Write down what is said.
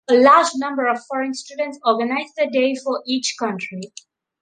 A large number of foreign students organize the day for each country.